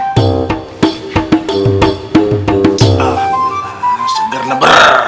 alhamdulillah segar nebrrr